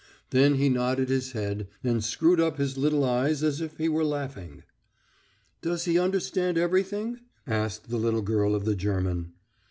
Then he nodded his head, and screwed up his little eyes as if he were laughing. "Does he understand everything?" asked the little girl of the German.